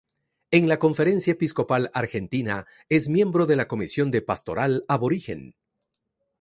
En la Conferencia Episcopal Argentina es miembro de la Comisión de Pastoral Aborigen.